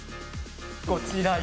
こちらよ。